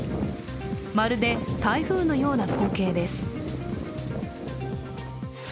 まるで台風のような光景です。